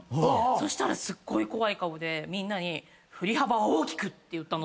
そしたらすごい怖い顔でみんなに「振り幅は大きく！」って言ったの。